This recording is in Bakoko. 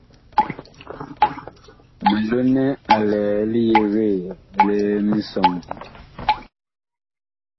Milonɛ a lɛ li yegee li misɔŋgi.